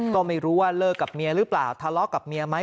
ก็ไม่รู้ว่าเลิกกับเมียหรือเปล่าทะเลาะกับเมียไหม